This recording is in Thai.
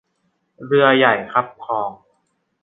เรือใหญ่คับคลอง